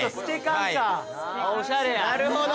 なるほど。